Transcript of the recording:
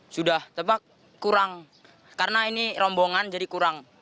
sudah tebak kurang karena ini rombongan jadi kurang